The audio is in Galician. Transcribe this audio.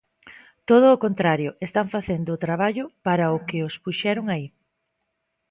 Todo o contrario, están facendo o traballo para o que os puxeron aí.